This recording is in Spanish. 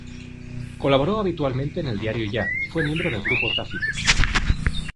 Colaboró habitualmente en el Diario Ya, y fue miembro del Grupo Tácito.